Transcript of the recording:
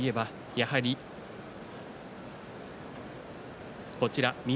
やはりこちら翠